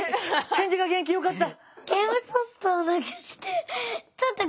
返事が元気よかった！